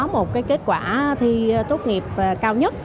một cái kết quả thi tốt nghiệp cao nhất